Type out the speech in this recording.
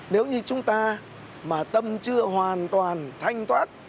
nếu như chúng ta mà tâm chưa hoàn toàn thanh toát